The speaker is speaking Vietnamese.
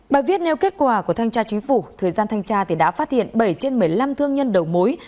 bài viết nêu kết quả của thanh tra chính phủ thời gian thanh tra đã phát hiện bảy trên một mươi năm thương nhân đầu mối